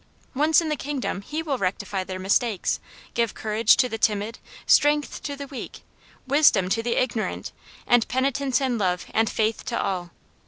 Once in His kingdom He will rectify their mistakes, give courage to the timid, strength to the weak, wisdom to the ignorant, and penitence and love and faith to all.